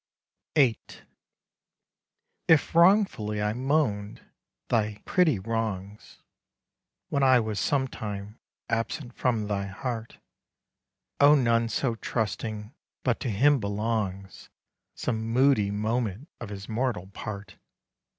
VIII If wrongfully I moan'd thy 'pretty wrongs', When I was 'sometime absent from thy heart', O none so trusting but to him belongs Some moody moment of his mortal part!